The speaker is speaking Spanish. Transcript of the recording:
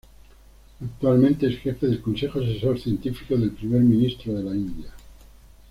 Actualmente es Jefe del Consejo Asesor Científico del Primer Ministro de la India.